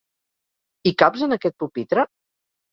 Hi caps, en aquest pupitre?